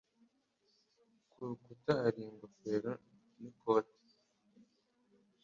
Ku rukuta hari ingofero n'ikote.